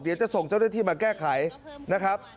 เดี๋ยวจะส่งเจ้าหน้าที่มาแก้ไขนะครับ